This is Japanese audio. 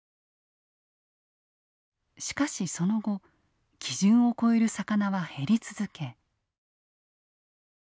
しかしその後基準を超える魚は減り続け。